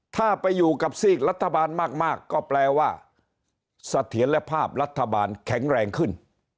ถ้าไปอยู่กับซีกรัฐบาลมากก็แปลว่าเสถียรภาพรัฐบาลแข็งแรงขึ้น